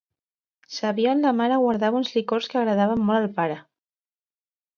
Sabia on la mare guardava uns licors que agradaven molt al pare.